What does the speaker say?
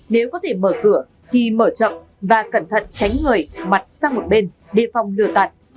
nếu có thể mở cửa thì mở chậm và cẩn thận tránh người mặt sang một bên đề phòng lửa tạt